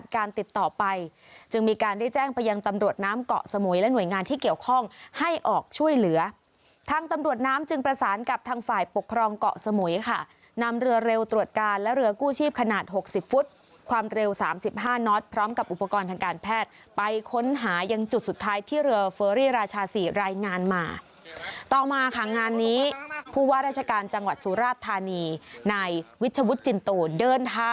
การติดต่อไปจึงมีการได้แจ้งไปยังตำรวจน้ำเกาะสมุยและหน่วยงานที่เกี่ยวข้องให้ออกช่วยเหลือทางตำรวจน้ำจึงประสานกับทางฝ่ายปกครองเกาะสมุยค่ะนำเรือเร็วตรวจการและเรือกู้ชีพขนาดหกสิบฟุตความเร็วสามสิบห้าน็อตพร้อมกับอุปกรณ์ทางการแพทย์ไปค้นหายังจุดสุดท้ายที่เรือเฟ